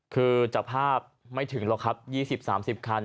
คือจากภาพไม่ถึงหรอกครับ๒๐๓๐คัน